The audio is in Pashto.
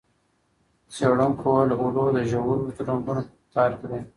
څېړونکو وویل، اولو د ژورو رنګونو په کتار کې دی.